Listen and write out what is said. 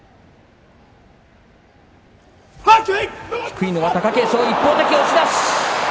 低いのは貴景勝一方的に押し出し。